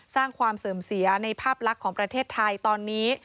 สร้างความเสื่อมเสียในภาพลักษณ์ของประเทศไทยตอนนี้